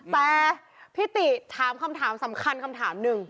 แต่พี่ติถามคำถามสำคัญคำถามหนึ่ง